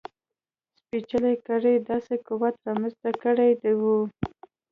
سپېڅلې کړۍ داسې قوت رامنځته کړی و.